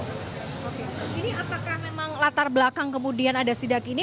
oke ini apakah memang latar belakang kemudian ada sidak ini